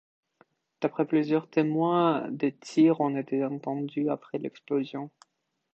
D’après plusieurs témoins, des tirs ont été entendus après l'explosion.